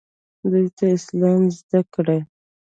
دوی ته اسلام زده کړئ